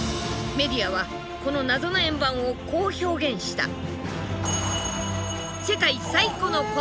メディアはこの謎の円盤をこう表現した。